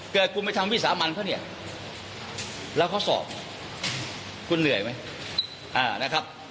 เกิดคุณไปทำวิสามันเขาเนี่ยแล้วเขาสอบคุณเหนื่อยไหมนะครับ